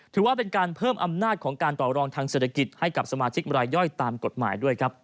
ถือว่าเป็นการเพิ่มอำนาจของการต่อรองทางเศรษฐกิจให้กับสมาชิกรายย่อยตามกฎหมายด้วยครับ